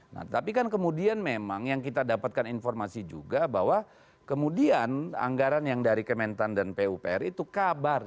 nah tapi kan kemudian memang yang kita dapatkan informasi juga bahwa kemudian anggaran yang dari kementan dan pupr itu kabar